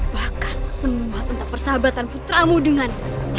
bahkan semua tentang persahabatan putramu dengan